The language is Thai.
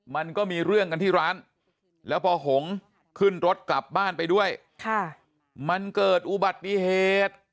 มันก็มีเรื่องกันที่ร้านแล้วพอหงขึ้นรถกลับบ้านไปด้วยมันเกิดอุบัติเหตุ